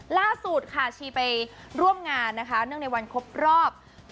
ล่าสุดค่ะชีไปร่วมงานนะคะเนื่องในวันครบรอบ